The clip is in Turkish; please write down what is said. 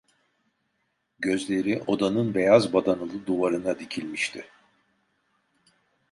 Gözleri odanın beyaz badanalı duvarına dikilmişti.